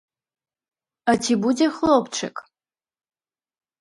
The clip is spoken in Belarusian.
А ці будзе хлопчык?